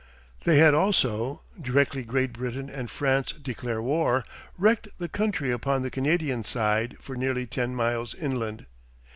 They had also, directly Great Britain and France declare war, wrecked the country upon the Canadian side for nearly ten miles inland.